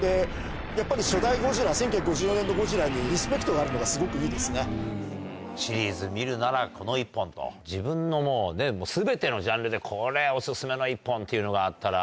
やっぱり初代ゴジラは１９５４年のゴジラにリスペクトがあるんでシリーズ見るならこの１本と、自分のすべてのジャンルで、これ、おすすめの１本というのがあったら。